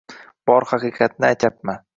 Bor haqiqatni aytyapman